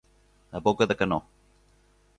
A boca de canó.